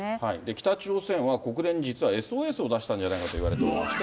北朝鮮は、国連に実はＳＯＳを出したんじゃないかと言われておりまして。